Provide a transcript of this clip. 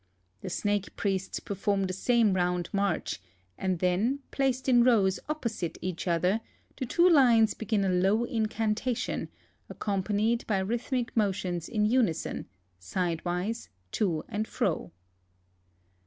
The snake priests i)erform the same round march, and then, placed in rows opposite each other, the two lines begin a low incantation, ac companied by rhythmic motions in unison, sidewise, t(» and fro.